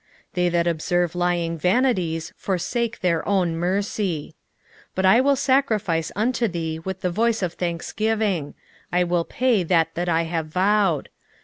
2:8 They that observe lying vanities forsake their own mercy. 2:9 But I will sacrifice unto thee with the voice of thanksgiving; I will pay that that I have vowed.